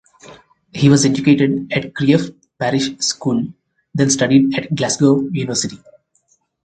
He was educated at Crieff Parish School then studied at Glasgow University.